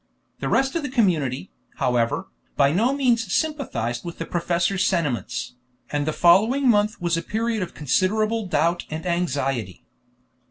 The rest of the community, however, by no means sympathized with the professor's sentiments, and the following month was a period of considerable doubt and anxiety.